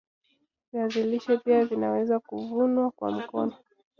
viazi lishe pia vinaweza kuvunwa kwa mkono